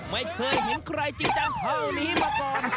ไม่เคยเห็นใครจริงจังเท่านี้มาก่อน